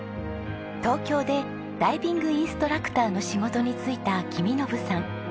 東京でダイビングインストラクターの仕事に就いた公伸さん。